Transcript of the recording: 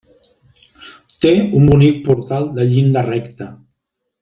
Té un bonic portal de llinda recta.